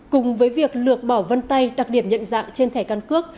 cùng với việc lược bỏ vân tay đặc điểm nhận dạng trên thẻ căn cước